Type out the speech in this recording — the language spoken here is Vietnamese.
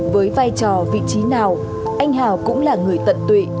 với vai trò vị trí nào anh hào cũng là người tận tụy